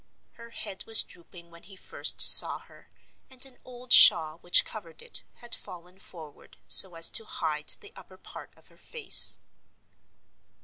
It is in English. Her head was drooping when he first saw her, and an old shawl which covered it had fallen forward so as to hide the upper part of her face.